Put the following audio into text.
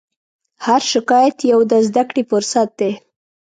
هر شکایت یو د زدهکړې فرصت دی.